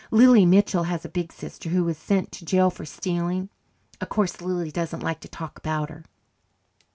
Lily Mitchell has a big sister who was sent to jail for stealing. Of course Lily doesn't like to talk about her."